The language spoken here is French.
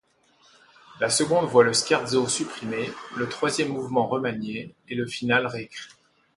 La seconde voit le scherzo supprimé, le troisième mouvement remanié et le finale réécrit.